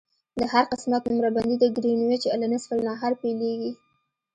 د هر قسمت نمره بندي د ګرینویچ له نصف النهار پیلیږي